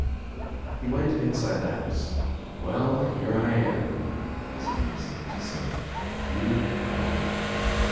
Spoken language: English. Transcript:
He went inside the house. "Well, here I am," his mind seemed to say, "here I am.